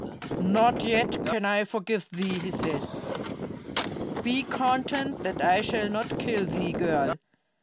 "Not yet can I forgive thee," he said. "Be content that I shall not kill thee, girl.